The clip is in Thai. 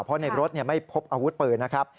เพราะในรถไม่พบอาวุธปืนนะครับ